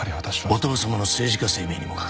お父様の政治家生命にも関わる。